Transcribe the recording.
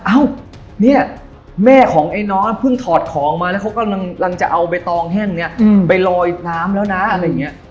เอ้าเนี่ยแม่ของไอ้น้องเพิ่งถอดของมาแล้วเขากำลังจะเอาใบตองแห้งเนี่ยไปลอยน้ำแล้วนะอะไรอย่างนี้